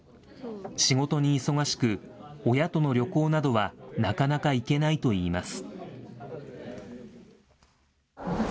仕事に忙しく、親との旅行などはなかなか行けないといいます。